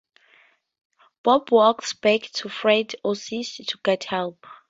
Bob walks back to Fred's Oasis to get help.